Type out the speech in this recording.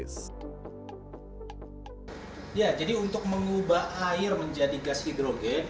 ketika mengubah air menjadi gas hidrogen